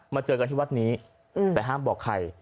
เจอกันที่วัดนี้แต่ห้ามบอกใคร